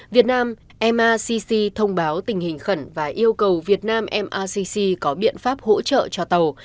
việt nam mcc thông báo tình hình khẩn và yêu cầu việt nam mrcc có biện pháp hỗ trợ cho tàu